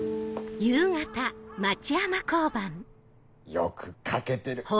よく書けてる。